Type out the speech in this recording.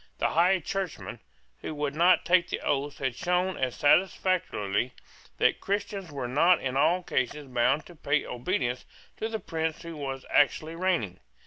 The High Churchman who would not take the oaths had shown as satisfactorily that Christians were not in all cases bound to pay obedience to the prince who was actually reigning.